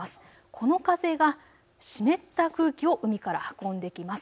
この風が湿った空気を海から運んできます。